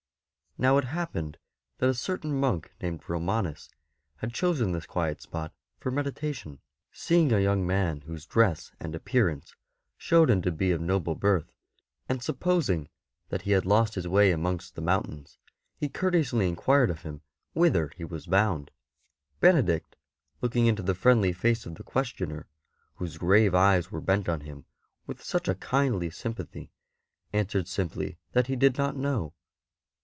Now it happened that a certain monk named Romanus had chosen this quiet spot for meditation. Seeing a young man whose 31 32 ST. BENEDICT dress and appearance showed him to be of noble birth, and supposing that he had lost his way amongst the mountains, he courteously enquired of him whither he was bound. Benedict, looking into the friendly face of the questioner, w^hose grave eyes were bent on him with such a kindly sympathy, answered simply that he did not know.